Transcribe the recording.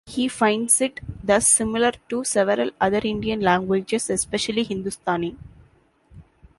He finds it thus similar to several other Indian languages, especially Hindustani.